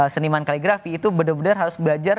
seniman kaligrafi itu benar benar harus belajar